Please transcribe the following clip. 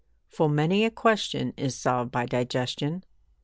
Full many a question is solved by digestion.